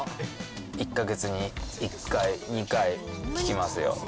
１か月に１回、２回、聞きますよ。